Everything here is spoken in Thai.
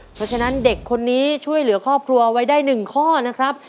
เพราะฉะนั้นเด็กคนนี้ช่วยเหลือครอบครัวไว้ได้๑ข้อนะครับ